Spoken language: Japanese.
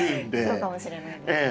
そうかもしれない。